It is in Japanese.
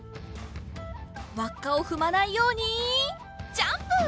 わっかをふまないようにジャンプ！